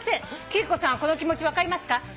貴理子さんはこの気持ち分かりますか？